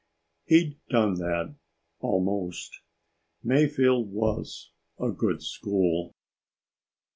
He'd done that almost. Mayfield was a good school.